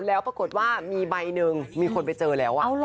แล้วปรากฏว่ามีใบหนึ่งมีคนไปเจอแล้ว